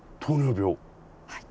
はい。